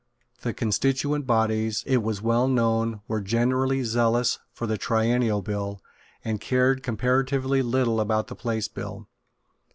The constituent bodies, it was well known, were generally zealous for the Triennial Bill, and cared comparatively little about the Place Bill.